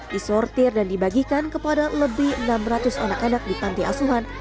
disortir dan dibagikan kepada lebih enam ratus anak anak di panti asuhan